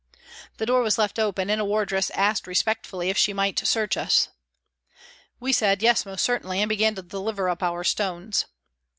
The door was left open, and a wardress asked respectfully if she might search us. We said, " Yes, most certainly," and began to deliver up our stones.